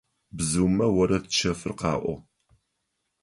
Бзыумэ орэд чэфыр къаӀо.